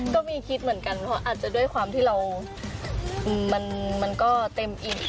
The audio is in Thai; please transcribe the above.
ก็มีคิดเหมือนกันเพราะอาจจะด้วยความที่เรามันก็เต็มอีก